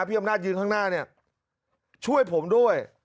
พี่อำนาจยืนข้างหน้าเนี่ยช่วยผมด้วย